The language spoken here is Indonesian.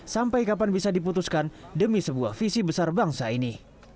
sampai kapan bisa diputuskan demi sebuah visi besar bangsa ini